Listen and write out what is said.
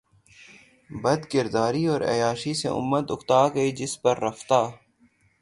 بدکرداری اور عیاشی سے امت اکتا گئ جس پر رفتہ